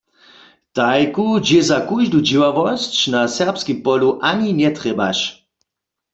Tajku dźě za kóždu dźěławosć na serbskim polu ani njetrjebaš.